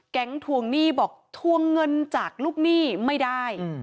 ทวงหนี้บอกทวงเงินจากลูกหนี้ไม่ได้